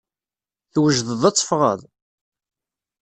Twejdeḍ ad teffɣeḍ?